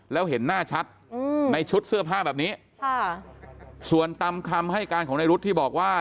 แล้วเห็นหน้าชัดในชุดเสื้อผ้าแบบนี้ค่ะส่วนตามคำให้การของในรุ๊ดที่บอกว่า